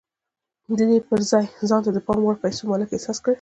د دې پر ځای ځان د پام وړ پيسو مالک احساس کړئ.